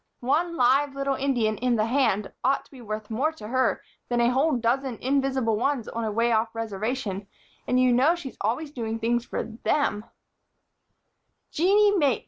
One live little Indian in the hand ought to be worth more to her than a whole dozen invisible ones on a way off Reservation; and you know she's always doing things for them." "Jeanie Mapes!"